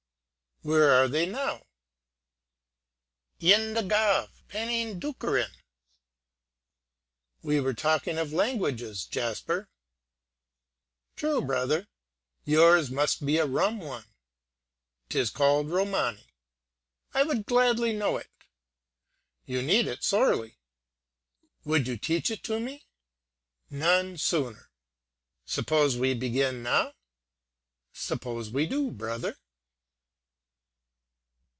"Where are they now?" "In the gav, penning dukkerin." "We were talking of languages, Jasper." "True, brother." "Yours must be a rum one." "'Tis called Romany." "I would gladly know it." "You need it sorely." "Would you teach it me?" "None sooner." "Suppose we begin now?" "Suppose we do, brother."